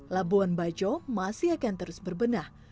labuan bajo masih akan terus berbenah